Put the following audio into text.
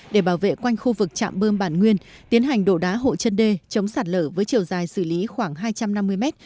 để bảo vệ quanh khu vực trạm bơm bản nguyên tiến hành đổ đá hộ chân đê chống sạt lở với chiều dài xử lý khoảng hai trăm năm mươi mét